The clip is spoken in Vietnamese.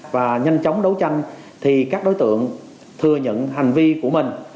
và nhanh chóng đấu tranh thì các đối tượng thừa nhận hành vi của mình